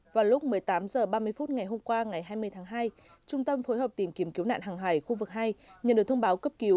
vào lúc một mươi tám h ba mươi phút ngày hôm qua ngày hai mươi tháng hai trung tâm phối hợp tìm kiếm cứu nạn hàng hải khu vực hai nhận được thông báo cấp cứu